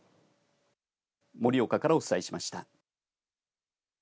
盛岡からお伝えしました。